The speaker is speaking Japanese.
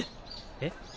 えっ？